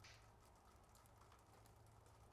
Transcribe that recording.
刘逸明再次就此事件发表评论文章。